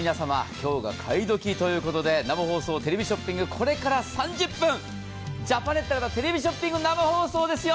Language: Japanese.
今日が「買いドキ！」ということで、生放送、これから３０分、ジャパネットのテレビショッピング生放送ですよ。